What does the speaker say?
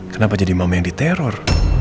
kenapa jadi mama yang diteror